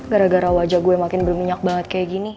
gara gara wajah gue makin berminyak banget kayak gini